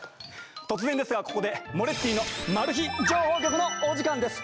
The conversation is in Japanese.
突然ですがここで「モレッティの情報局」のお時間です。